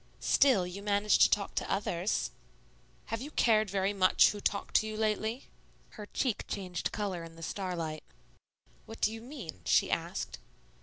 "Still, you manage to talk to others." "Have you cared very much who talked to you lately?" Her cheek changed color in the starlight. "What do you mean?" she asked.